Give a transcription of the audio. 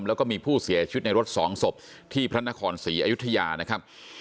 แล้วก็มีผู้เสียชีวิตในรถสองศพที่พระนครศรีอยุธยานะครับ